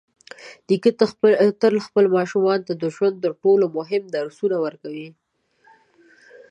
نیکه تل خپلو ماشومانو ته د ژوند تر ټولو مهم درسونه ورکوي.